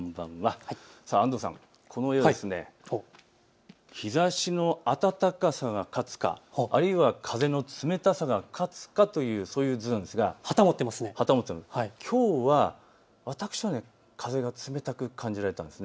安藤さん、この絵、日ざしの暖かさが勝つかあるいは風の冷たさが勝つかというそういう図なんですがきょうは私は風が冷たく感じられたんです。